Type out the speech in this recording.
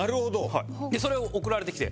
それを送られてきて。